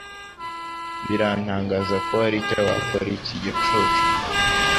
Birantangaza ko hari icyo wakora iki gicucu.